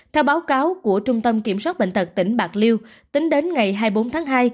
theo báo cáo của trung tâm kiểm soát bệnh tật tỉnh bạc liêu tính đến ngày hai mươi bốn tháng hai